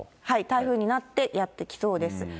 台風になってやって来そうです。